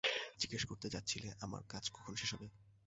জিজ্ঞেস করতে যাচ্ছিলে আমার কাজ কখন শেষ হবে!